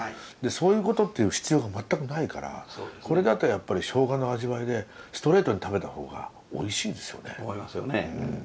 そういうことっていう必要が全くないからこれだとやっぱりしょうがの味わいでストレートに食べたほうがおいしいですよね。